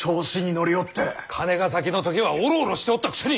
金ヶ崎の時はおろおろしておったくせに！